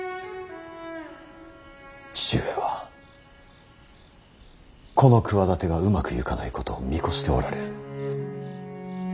父上はこの企てがうまくゆかないことを見越しておられる。